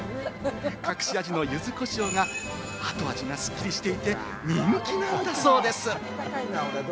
隠し味の柚子胡椒が、後味がすっきりしていて人気なんだそうです。